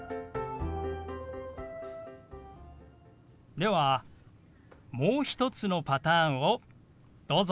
ではもう一つのパターンをどうぞ。